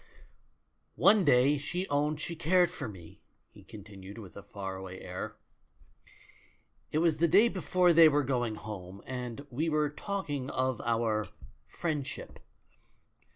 "One day she owned she cared for me," he continued, with a far away air. "It was the day before they were going home, and we were talk ing of our 'friendship.'